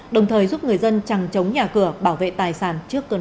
đồng thời giúp người dân chẳng chống nhà cửa bảo vệ tài sản